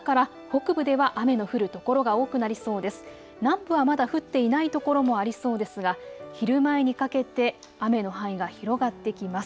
南部はまだ降っていないところもありそうですが昼前にかけて雨の範囲が広がってきます。